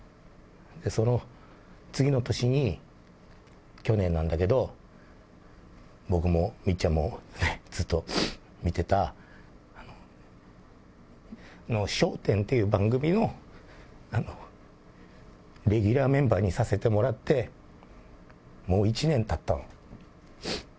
その次の年に、去年なんだけど、僕もみっちゃんもずっと見てた、笑点っていう番組の、レギュラーメンバーにさせてもらって、もう１年たったの。